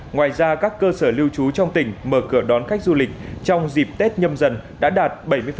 ngoài ra các cơ sở lưu trú trong tỉnh mở cửa đón khách du lịch trong dịp tết nhâm dần đã đạt bảy mươi